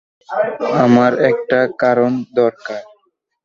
আমার একটা কারণ দরকার।